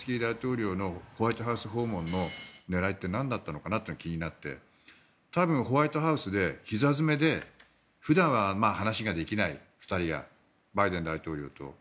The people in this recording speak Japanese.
そうすると今回のゼレンスキー大統領のホワイトハウス訪問の狙いってなんだったのかなと気になって多分ホワイトハウスでひざ詰めで普段は話ができない２人でバイデン大統領と。